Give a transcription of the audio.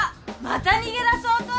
また逃げだそうと！